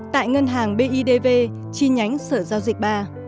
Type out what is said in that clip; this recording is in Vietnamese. tại ngân hàng bidv chi nhánh sở giao dịch ba